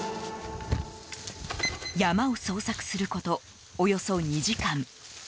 山を捜索することおよそ２時間。